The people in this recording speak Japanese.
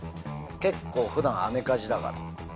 普段アメカジだから。